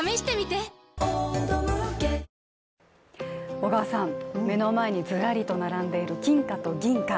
小川さん、目の前にズラリと並んでいる金貨と銀貨。